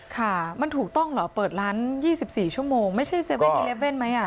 ค่ะมันถูกต้องเหรอเปิดร้าน๒๔ชั่วโมงไม่ใช่๗๑๑ไหม